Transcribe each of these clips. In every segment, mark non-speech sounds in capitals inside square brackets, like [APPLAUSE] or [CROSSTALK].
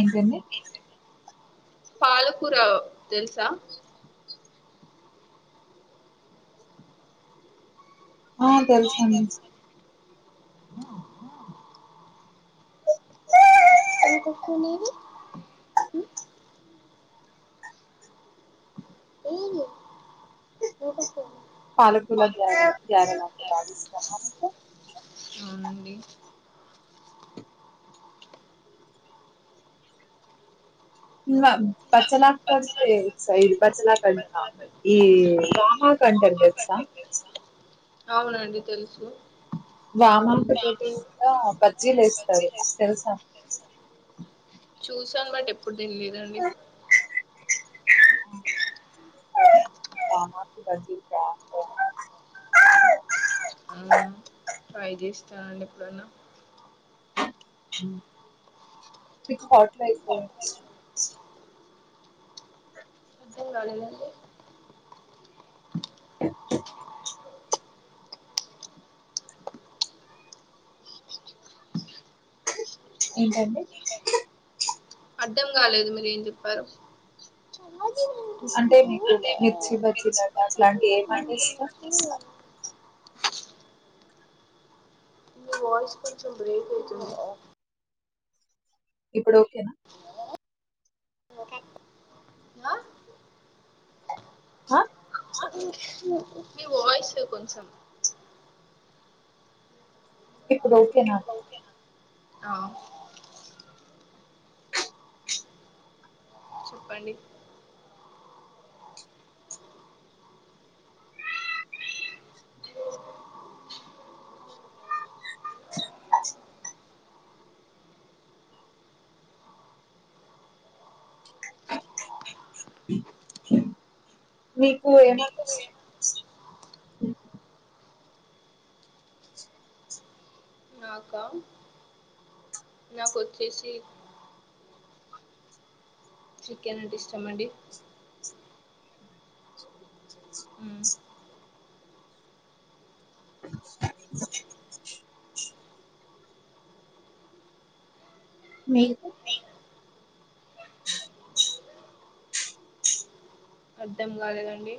ఏంటడి పాాలకూర తెలుసా, ఆ తెలుస అండి ఆ కుకు మీది ఇ [UNINTELLIGIBLE] పాలకుల ధ్యా ధ్యార నాంట బాధస్తమ అవునండి ఇ బచ్చలకు [UNINTELLIGIBLE] లా క ఈ వామకు కంటం తెలుసా అవునండి తెలుసు వామకు తోటి కూడా బజ్జీలు వేస్తారు తెలుసా చూసమండి ఎప్పుడు తినలేదండి [UNINTELLIGIBLE] ట్రై చేస్తానండి ఎప్పుడన్న [UNINTELLIGIBLE] [UNINTELLIGIBLE] అ ఏంటండి అర్ధం కాలేదు మీరు ఏం చెప్పారో అంటే మీకు మిర్చి బజ్జీలు అట్లా అట్లాంటి ఏమంటే ఇష్టం [UNINTELLIGIBLE] మీ వాయిస్ కొంచెం బ్రేక్ అవుతుంద ఇప్పుడు ఓకేన ఆ? హ మీ వాయిస్ కొంచెం ఇప్పుడు ఒకేన ఆ చెప్పండి మీకు [UNINTELLIGIBLE] నాక నాకు ఒచ్చేసి చికెన్ అంటే ఇష్టంమండి ఉమ్ మీకు అర్ధం కాలేదండి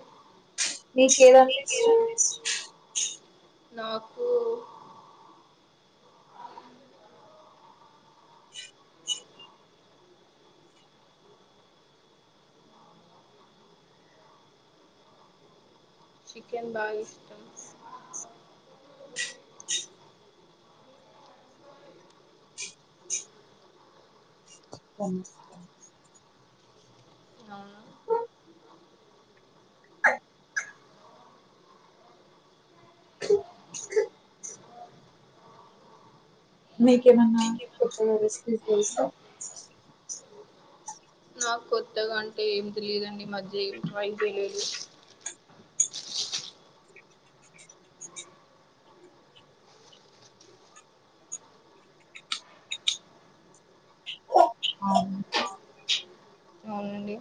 మీకు [UNINTELLIGIBLE] నాకు చికెన్ బాగ ఇష్టం [UNINTELLIGIBLE] అవును మీక ఏమన్నా కొత్తగా రిసెపీస్ తెలుసా నాకు కొత్తగా అంటే ఏమి తెలిదండి మధ్య ఏమి ట్రై చేయలేదు [UNINTELLIGIBLE] అవునండి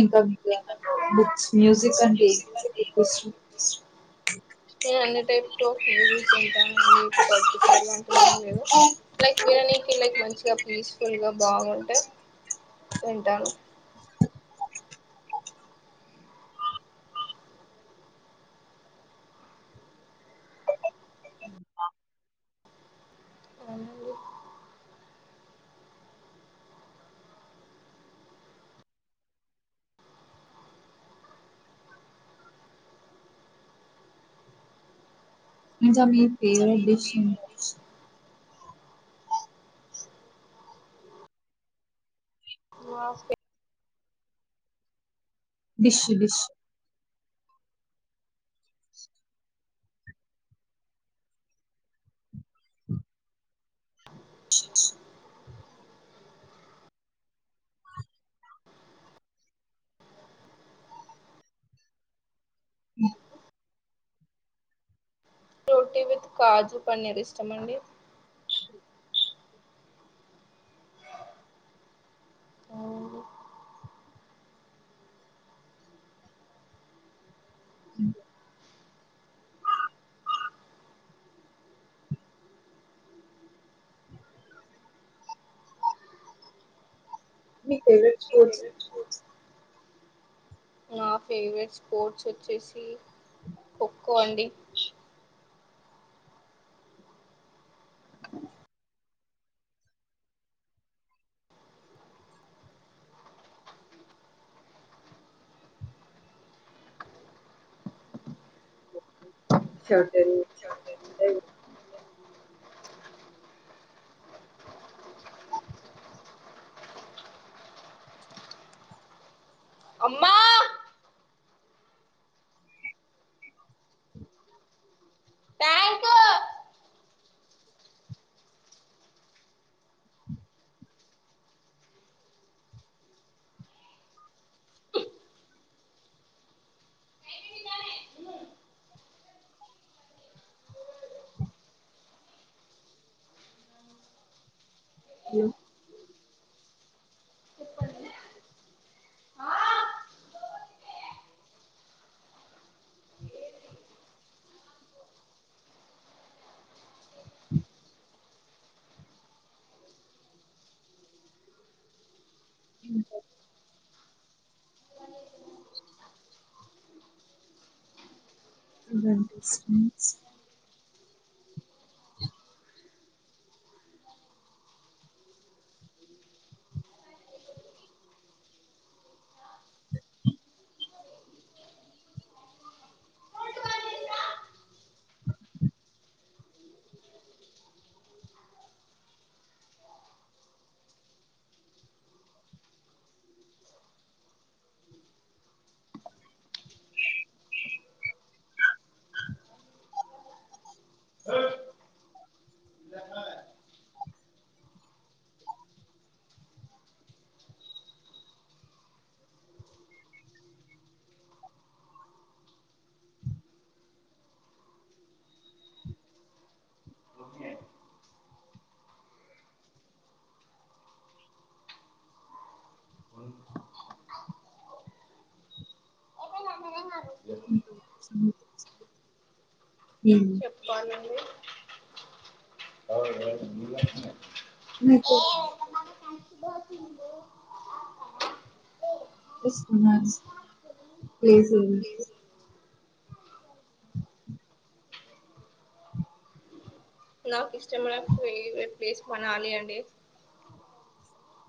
ఇంకా మీకున్న బుక్స్ మ్యూజిక్ అంటే మ్యూజిక్ [UNINTELLIGIBLE] నేను అన్ని టైప్ ఆఫ్ మ్యూజిక్ విటానండి పర్టిక్యులర్ అంటూ ఏం లేదు లైక్ విననికి లైక్ మంచిగ పీస్ఫుల్గా బాగుంటే వింటాను అవునండి [UNINTELLIGIBLE] మీ favourite dish [UNINTELLIGIBLE] dish dish [UNINTELLIGIBLE] roti with కాజు పన్నీర్ ఇష్టమండి అవునండి [INAUDIBLE] మీ ఫేవరెట్ స్పోర్ట్స్ నా ఫేవరెట్ స్పోర్ట్స్ వచ్చేసి ఖోఖో అండి [INAUDIBLE] షాటరి చాక్లెట్ అమ్మ ఉ చెప్పండి [UNINTELLIGIBLE] ఫ్రెండ్స్ [UNINTELLIGIBLE] ఆ ఉమ్ వాళ్లను మీకు బాకింద ఇష్టమైన ప్లేస్ ఏది నాకు ఇష్టమైన ఫేవరట్ ప్లేస్ మనాలి అండి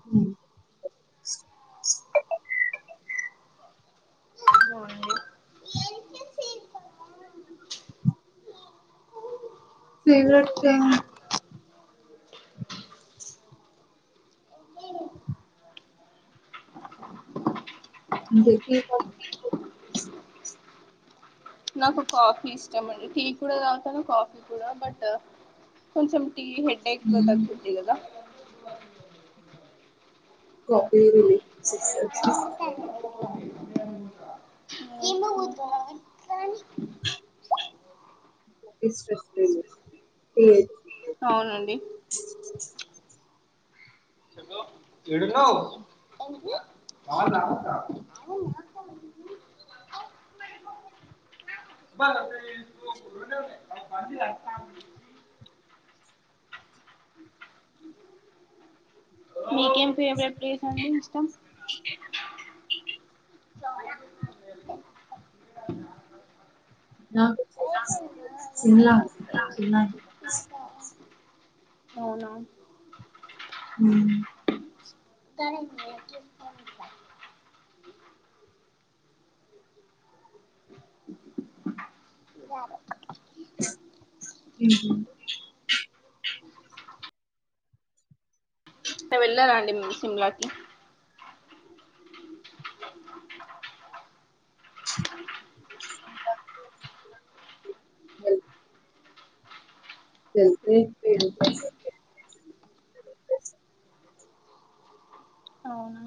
ఉమ్ అవుడినండి ఎంతసేపు ఫేవరెట్ ఆ నువు ఎక్కే నాకు కాఫీ ఇష్టండి టీ కూడా తగుతాను కాఫీ కూడా బట్ కొంచెం టీ హెడేక్ అంటే తగ్గుతది కదా కాపీ లేక్చ్చ సార్ ఏమీ వద్దు ఏ [UNINTELLIGIBLE] అవునండి ఏడున్నావ్ ఎవ్వరు అవసరం లేదు మీకేం ఫేవరెట్ ప్లేస్ అండి ఇష్టం నాకు సిమ్లా అంటే ఇష్టం అవునా ఉ తనే ఉ వెళ్లారండి సిమ్లాకి [UNINTELLIGIBLE] వెళ్తే ప్లేస్ అవుతది అవునా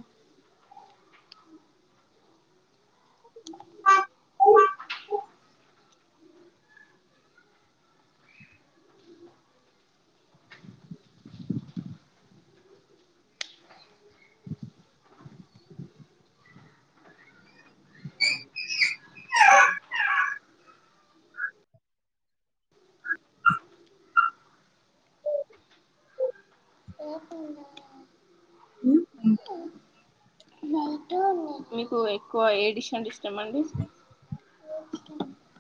ఉ మీకు ఎక్కువ ఏ డిషన్లు అంటే ఇష్టం అండి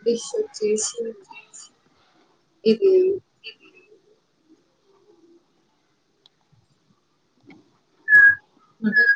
డిష్ వచ్చేసి ఇది మంట